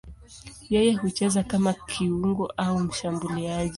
Yeye hucheza kama kiungo au mshambuliaji.